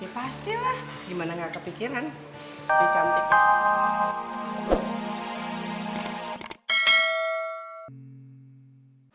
ya pasti lah gimana gak kepikiran jadi cantik